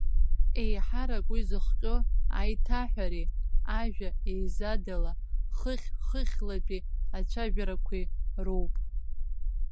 Еиҳарак уи зыхҟьо аиҭаҳәареи ажәа еизадала, хыхь-хыхьлатәи ацәажәарақәеи роуп.